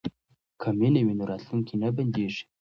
که مینه وي نو راتلونکی نه بندیږي.